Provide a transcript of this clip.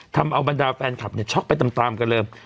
ทำเอาบรรดาแฟนคลับเนี่ยช็อกไปตามกันเลย